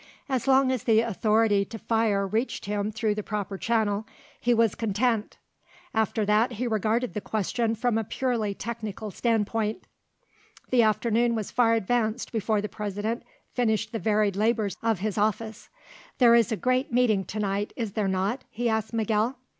As long as the authority to fire reached him through the proper channel, he was content; after that he regarded the question from a purely technical standpoint. The afternoon was far advanced before the President finished the varied labours of his office. "There is a great meeting to night, is there not?" he asked Miguel.